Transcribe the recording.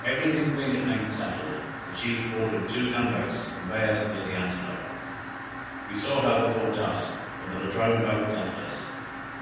Every thing being at length settled, the chief ordered two gun boats to convey us near the Antelope; we saw her just before dusk, when the Ladrone boats left us.